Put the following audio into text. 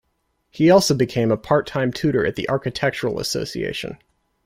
He also became a part-time tutor at the Architectural Association.